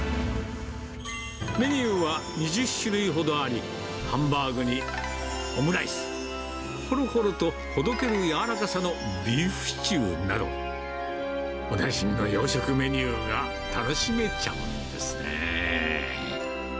メニューは２０種類ほどあり、ハンバーグにオムライス、ほろほろとほどける柔らかさのビーフシチューなど、おなじみの洋食メニューが楽しめちゃうんですね。